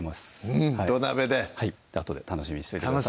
うん土鍋であとで楽しみにしといてください